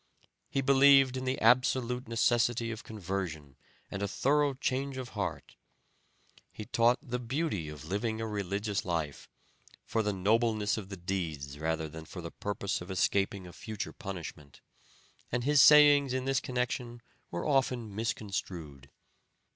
He believed in the absolute necessity of conversion and a thorough change of heart; he taught the beauty of living a religious life, for the nobleness of the deeds rather than for the purpose of escaping a future punishment, and his sayings in this connection were often misconstrued.